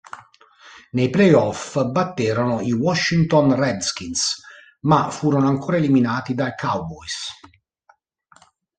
Nei playoff batterono i Washington Redskins ma furono ancora eliminati dai Cowboys.